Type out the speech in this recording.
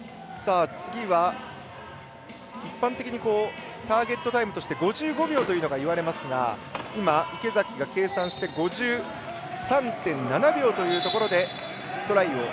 一般的にターゲットタイムとして５５秒というのが言われますが池崎が計算して５３．７秒というところでトライ。